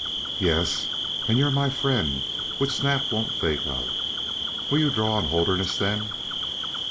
"Yes, and you're my friend, which Snap won't think of. Will you draw on Holderness, then?"